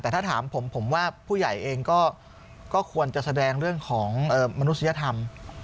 แต่ถ้าถามผมผมว่าผู้ใหญ่เองก็ควรจะแสดงเรื่องของมนุษยธรรม